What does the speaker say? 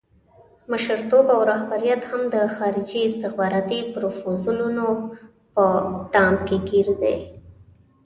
مشرتوب او رهبریت هم د خارجي استخباراتي پروفوزلونو په دام کې ګیر دی.